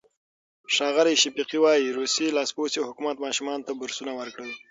ښاغلی شفیقي وايي، روسي لاسپوڅي حکومت ماشومانو ته بورسونه ورکړل.